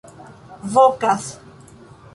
vokas